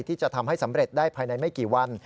ที่จะทำให้สำเร็จได้ภายในไม่กี่วัน